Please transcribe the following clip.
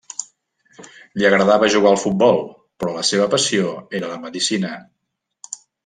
Li agradava jugar al futbol, però la seva passió era la medicina.